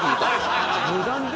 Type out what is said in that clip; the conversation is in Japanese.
無断で？